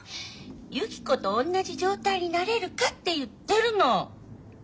ゆき子と同じ状態になれるかって言ってるの。